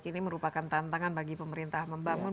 ini merupakan tantangan bagi pemerintah membangun